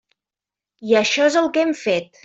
I això és el que hem fet.